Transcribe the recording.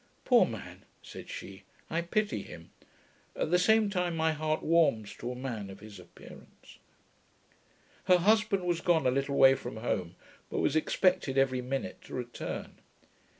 'Poor man!' said she, 'I pity him. At the same time my heart warms to a man of his appearance.' Her husband was gone a little way from home; but was expected every minute to return.